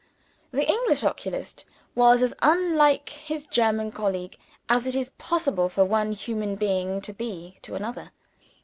The English oculist was as unlike his German colleague as it is possible for one human being to be to another.